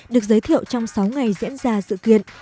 được giới thiệu trong sáu ngày diễn ra sự kiện